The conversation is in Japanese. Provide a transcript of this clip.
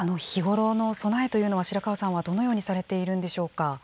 日頃の備えというのは、白川さんはどのようにされているんでしょうか。